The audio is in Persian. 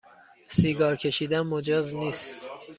سیگار کشیدن مجاز نیست